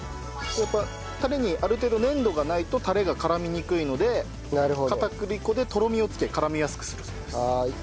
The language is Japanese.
タレにある程度粘度がないとタレが絡みにくいので片栗粉でとろみをつけ絡みやすくするそうです。